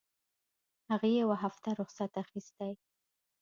هغې يوه هفته رخصت اخيستى.